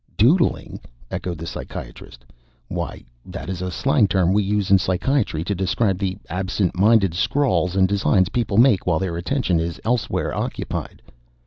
"Doodling?" echoed the psychiatrist. "Why that is a slang term we use in psychiatry, to describe the absent minded scrawls and designs people make while their attention is elsewhere occupied.